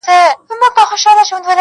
• شاعر او شاعره.